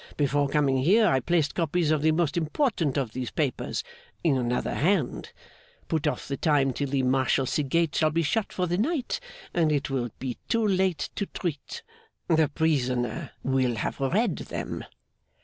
Before coming here, I placed copies of the most important of these papers in another hand. Put off the time till the Marshalsea gate shall be shut for the night, and it will be too late to treat. The prisoner will have read them.